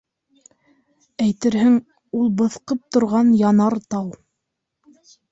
Әйтерһең, ул быҫҡып торған янар тау.